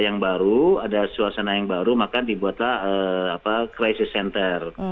yang baru ada suasana yang baru maka dibuatlah crisis center